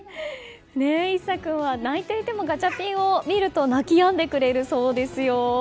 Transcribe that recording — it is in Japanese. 一冴君は泣いていてもガチャピンを見ると泣き止んでくれるそうですよ。